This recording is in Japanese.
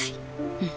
うん。